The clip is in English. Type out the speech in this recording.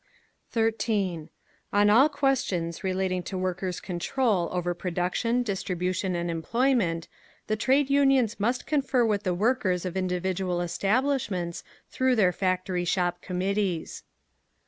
13. On all questions relating to Workers' Control over production, distribution and employment, the Trade Unions must confer with the workers of individual establishments through their Factory Shop Committees.